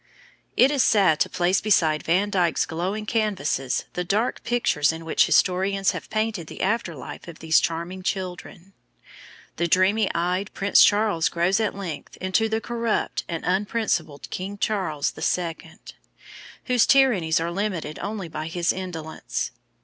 It is sad to place beside Van Dyck's glowing canvases, the dark pictures in which historians have painted the after life of these charming children. The dreamy eyed Prince Charles grows at length into the corrupt and unprincipled King Charles II., whose tyrannies are limited only by his indolence.